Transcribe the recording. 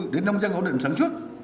để nông dân ổn định sáng trước